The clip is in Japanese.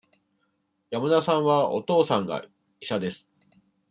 山田さんは、お父さんが医者です。